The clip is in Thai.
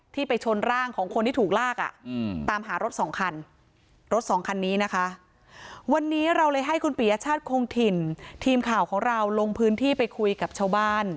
ที่ไปชนร่างของคนที่ถูกลากอ่ะอืมตามหารถสองคันรถสองคันนี้นะคะ